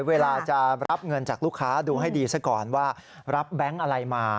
เวลาจะรับเงินจากลูกค้าดูให้ดีซะก่อนว่ารับแบงค์อะไรมา